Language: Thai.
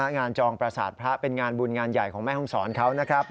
จองประสาทพระเป็นงานบุญงานใหญ่ของแม่ห้องศรเขานะครับ